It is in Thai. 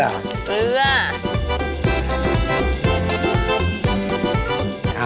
เกลือ